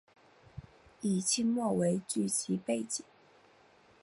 以清末为剧集背景。